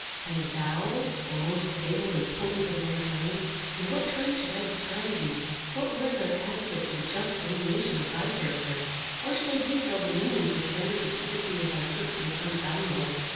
And thou, O most fatal and potent of mankind, in what terms shall I describe thee? What words are adequate to the just delineation of thy character? How shall I detail the means which rendered the secrecy of thy purposes unfathomable?